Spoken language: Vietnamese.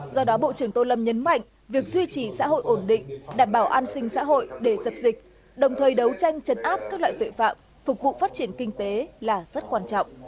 do đó bộ trưởng tô lâm nhấn mạnh việc duy trì xã hội ổn định đảm bảo an sinh xã hội để dập dịch đồng thời đấu tranh chấn áp các loại tội phạm phục vụ phát triển kinh tế là rất quan trọng